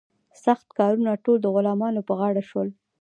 سخت کارونه ټول د غلامانو په غاړه شول.